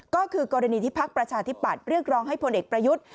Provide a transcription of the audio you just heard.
ก็คือกรณีที่พักประชาธิปัตย์เรียกร้องให้พลเอกประยุทธ์